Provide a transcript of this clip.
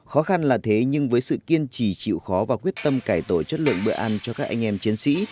khó khăn là thế nhưng với sự kiên trì chịu khó và quyết tâm cải tổ chất lượng bữa ăn cho các anh em chiến sĩ